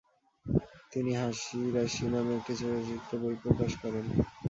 তিনি হাসি রাশি নামে একটি সচিত্র বই প্রকাশ করেন।